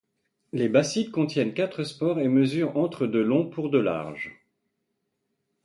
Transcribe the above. Les basides contiennent quatre spores et mesurent entre de long pour de large.